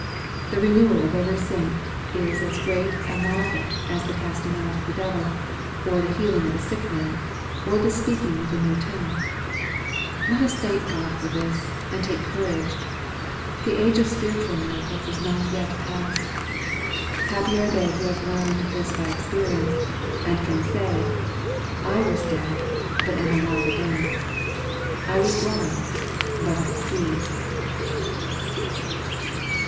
The renewal of every saint is as great a marvel as the casting out of a devil, or the healing of a sick man, or the speaking with a new tongue. Let us thank God for this and take coarage. The age of spiritual miracles is not yet past. Happy are they who have learned this by experience, and can say, " I was dead, but am alive again : I was blind, but I see."